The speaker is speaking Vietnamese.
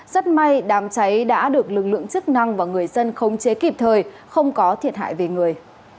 rất may đám cháy đã được lực lượng chức năng và người dân khống chế kịp thời không có thiệt hại về người